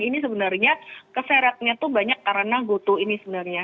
ini sebenarnya keseretnya itu banyak karena goto ini sebenarnya